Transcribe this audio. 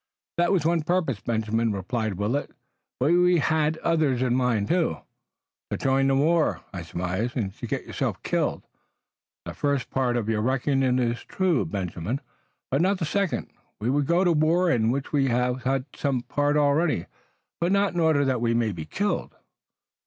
"That was one purpose, Benjamin," replied Willet, "but we had others in mind too." "To join the war, I surmise, and to get yourselves killed?" "The first part of your reckoning is true, Benjamin, but not the second. We would go to the war, in which we have had some part already, but not in order that we may be killed."